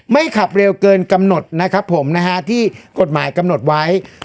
ขับเร็วเกินกำหนดนะครับผมนะฮะที่กฎหมายกำหนดไว้